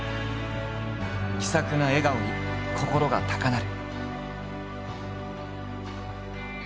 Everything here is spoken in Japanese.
気さくな笑顔に心が高鳴る。